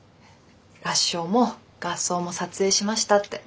合唱も合奏も撮影しましたって。